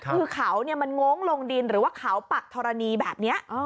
คือเขามันโง้งลงดินหรือว่าเขาปักธรณีแบบนี้